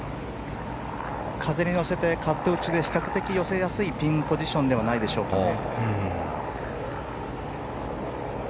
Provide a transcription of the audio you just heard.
風に乗せてカット打ちで比較的寄せやすいピンポジションではないでしょうかね。